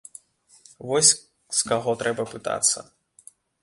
Вось з каго трэба пытацца.